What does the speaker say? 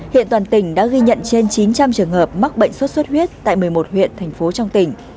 hiện toàn tỉnh đã ghi nhận trên chín trăm linh trường hợp mắc bệnh sốt xuất huyết tại một mươi một huyện thành phố trong tỉnh